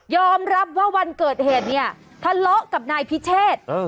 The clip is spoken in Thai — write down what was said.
รับว่าวันเกิดเหตุเนี่ยทะเลาะกับนายพิเชษ